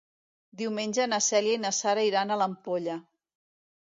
Diumenge na Cèlia i na Sara iran a l'Ampolla.